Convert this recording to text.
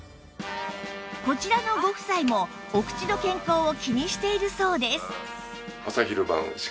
こちらのご夫妻もお口の健康を気にしているそうです